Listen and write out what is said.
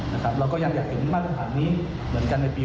เราก็ยังอยากเห็นมาตรฐานนี้เหมือนกันในปี๒๕